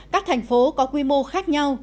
các thành phố có quy mô khác nhau